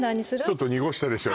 ちょっと濁したでしょ